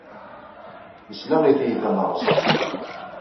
Nesla i tiyita n ṛsaṣ.